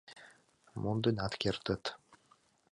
— Монденат кертыт.